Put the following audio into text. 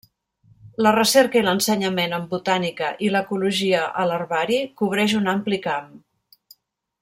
La recerca i l'ensenyament en botànica i l'ecologia a l'herbari cobreix un ampli camp.